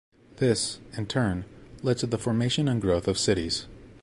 This, in turn, led to the formation and growth of cities.